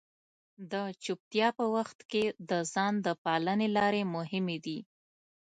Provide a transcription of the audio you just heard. د چپتیا په وخت کې د ځان د پالنې لارې مهمې دي.